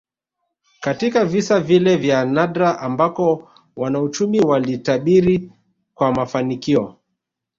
Katika visa vile vya nadra ambako wanauchumi walitabiri kwa mafanikio